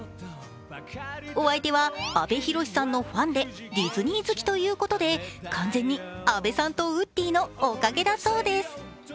お相手は阿部寛さんのファンでディズニー好きということで完全に阿部さんとウッディのおかげだそうです